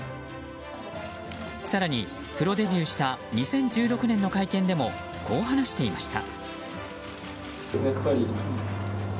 更に、プロデビューした２０１６年の会見でもこう話していました。